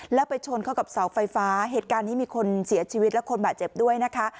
แล้วไปชนเข้ากับเสาไฟฟ้าเหตุการณ์นี้มีคนเสียชีวิตและคนบาดเจ็บด้วยนะคะ